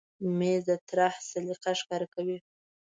مېز د طراح سلیقه ښکاره کوي.